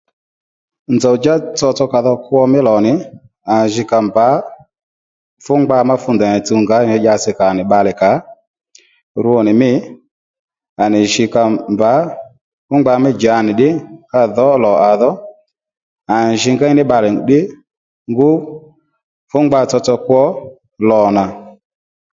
Nzòw djá tsotso ka dho kwo mí lò nì à ji ka mbǎ fú ngba ma fu ndèy nì tsǔw ngǎ ndèy dyási kà ó nì bbalè kà ó rwo nì mî à nì jǐy ka mbǎ fú ngba mí djǎnì ddí ka dhǒ lò à dho à nì jǐ ngéy ní bbale ddí ngú fú ngba tsotso kwo lò nà